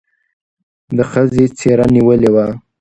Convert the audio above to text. د ښځې څېره نېولې وه.